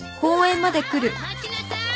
待ちなさい。